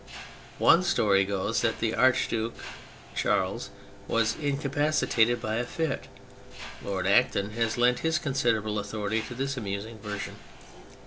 One story goes that the Archduke Charles was incapacitated by a fit; Lord Acton has lent his considerable authority to this amusing version.